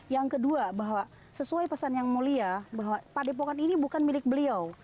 yang kedua bahwa sesuai pesan yang mulia bahwa padepokan ini bukan milik beliau